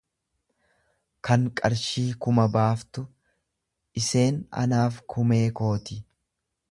kan qarshii kuma baaftu; iseen anaaf kumee kooti.